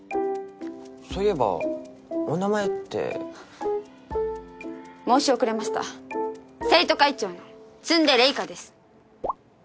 そういえばお名前って申し遅れました生徒会長の詰出麗華です